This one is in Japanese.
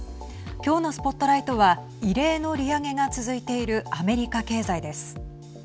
今日のＳＰＯＴＬＩＧＨＴは異例の利上げが続いているアメリカ経済です。